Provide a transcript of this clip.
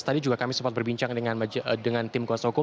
tadi juga kami sempat berbincang dengan tim kuasa hukum